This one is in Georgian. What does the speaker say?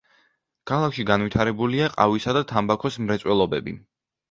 ქალაქში განვითარებულია ყავისა და თამბაქოს მრეწველობები.